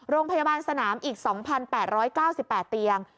โรงพยาบาลสนามอีก๒๘๙๘เตียง